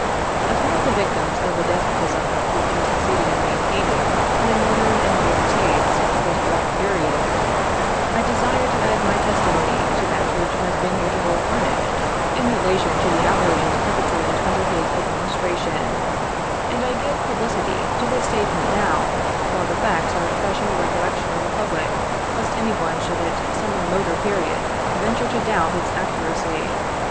As one of the victims of the despotism, which he succeeded in maintaining, in the Northern and Border States, for so long a period, I desire to add ray testimony to that which has been heretofore furnished, in relation to the outrages perpetrated under his Administration ; and I give publicity to this statement now, while the facts are fresh in the recollection of the public, lest any one should at some remoter period venture to doubt its accuracy.